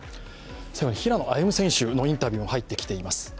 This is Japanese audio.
平野歩夢選手のインタビューも入ってきています。